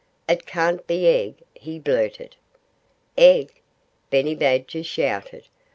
"It can't be egg," he blurted. "Egg!" Benny Badger shouted.